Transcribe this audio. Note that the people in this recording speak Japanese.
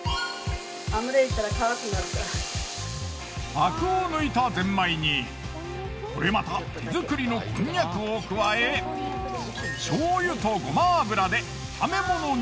アクを抜いたゼンマイにこれまた手作りのこんにゃくを加え醤油とごま油で炒め物に。